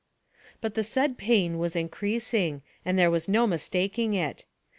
But the said pain was increasing, and there was no mistaking it.